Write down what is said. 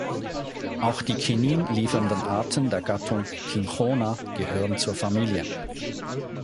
Auch die Chinin-liefernden Arten der Gattung "Cinchona" gehören zur Familie.